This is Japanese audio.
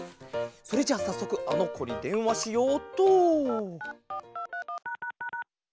それじゃあさっそくあのこにでんわしようっと。